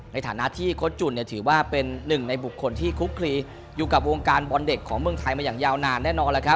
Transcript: ในฐานะที่โค้ดจุ่นถือว่าเป็นหนึ่งในบุคคลที่คุกคลีอยู่กับวงการบอลเด็กของเมืองไทยมาอย่างยาวนานแน่นอน